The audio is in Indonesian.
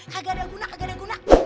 kagak ada guna